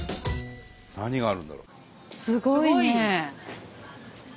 何があるんだろう？